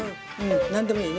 なんでもいいね